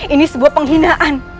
ini sebuah penghinaan